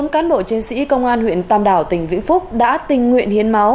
bốn cán bộ chiến sĩ công an huyện tam đảo tỉnh vĩnh phúc đã tình nguyện hiến máu